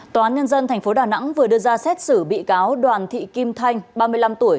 tòa án nhân dân tp đà nẵng vừa đưa ra xét xử bị cáo đoàn thị kim thanh ba mươi năm tuổi